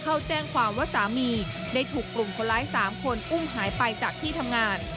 เข้าแจ้งความว่าสามีได้ถูกกลุ่มคนร้าย๓คนอุ้มหายไปจากที่ทำงาน